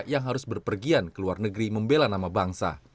yang harus berpergian ke luar negeri membela nama bangsa